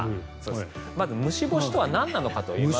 まず虫干しとはなんなのかといいますと。